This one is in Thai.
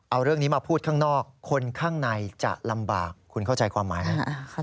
เอาเรื่องนี้มาพูดข้างนอกคนข้างในจะลำบากคุณเข้าใจความหมายนะ